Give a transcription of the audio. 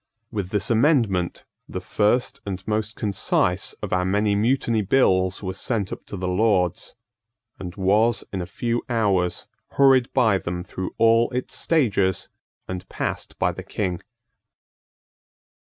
With this amendment, the first and most concise of our many Mutiny Bills was sent up to the Lords, and was, in a few hours, hurried by them through all its stages and passed by the King.